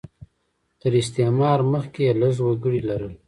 تر استعمار مخکې یې لږ وګړي لرل.